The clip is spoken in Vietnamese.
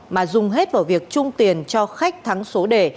mà dùng hết vào việc trung tiền cho khách thắng số đề